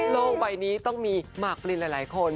โลกใบนี้ต้องมีหมากปรินหลายคน